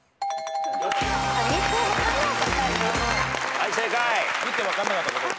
はい正解。